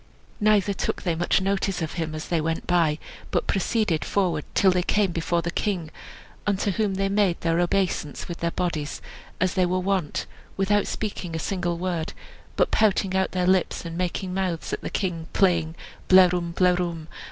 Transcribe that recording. Neither took they much notice of him as they went by but proceeded forward till they came before the king, unto whom they made their obeisance with their bodies, as they were wont, without speaking a single word, but pouting out their lips, and making mouths at the king, playing, "Blerwm, blerwm!"